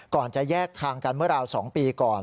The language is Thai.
จะแยกทางกันเมื่อราว๒ปีก่อน